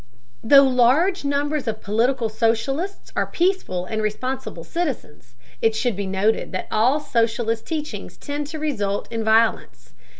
Though large numbers of political socialists are peaceful and responsible citizens, it should be noted that all socialist teachings tend to result in violence.